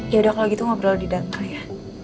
yaudah kalau gitu ngobrol di dangkal ya